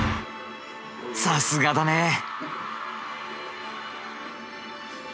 さすがだね。